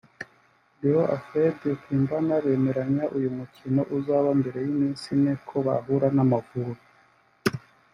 Léon Alfred Opimbat bemeranya uyu mukino uzaba mbere y’iminsi ine ko bahura n’Amavubi